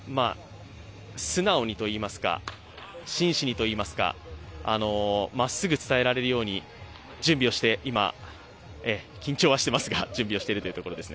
素直にといいますか真摯にといいますか、まっすぐ伝えられるように準備をして今、緊張はしてますが準備をしているというところです。